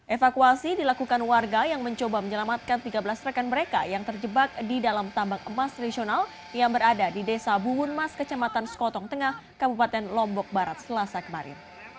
evakuasi dilakukan warga yang mencoba menyelamatkan tiga belas rekan mereka yang terjebak di dalam tambang emas tradisional yang berada di desa buhunmas kecamatan sekotong tengah kabupaten lombok barat selasa kemarin